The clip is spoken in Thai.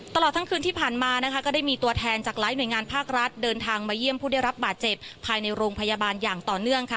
ตลอดทั้งคืนที่ผ่านมาก็ได้มีตัวแทนจากหลายหน่วยงานภาครัฐเดินทางมาเยี่ยมผู้ได้รับบาดเจ็บภายในโรงพยาบาลอย่างต่อเนื่องค่ะ